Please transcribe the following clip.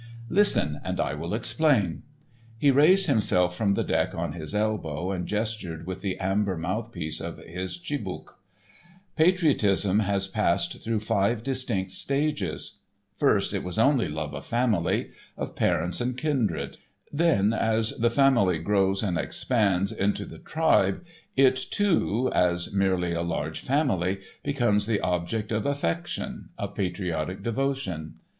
Listen and I will explain"—he raised himself from the deck on his elbow and gestured with the amber mouth piece of his chibouk—"Patriotism has passed through five distinct stages; first, it was only love of family—of parents and kindred; then, as the family grows and expands into the tribe, it, too, as merely a large family, becomes the object of affection, of patriotic devotion.